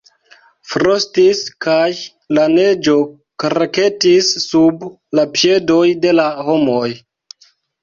Frostis kaj la neĝo kraketis sub la piedoj de la homoj.